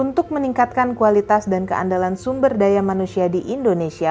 untuk meningkatkan kualitas dan keandalan sumber daya manusia di indonesia